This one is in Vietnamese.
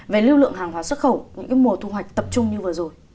về lưu lượng hàng hóa xuất khẩu những mùa thu hoạch tập trung như vừa rồi